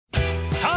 ［さあ